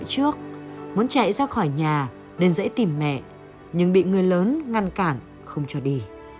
trước muốn chạy ra khỏi nhà nên dễ tìm mẹ nhưng bị người lớn ngăn cản không cho đi